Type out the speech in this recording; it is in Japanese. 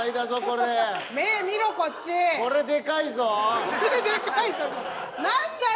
「これでかいぞ」。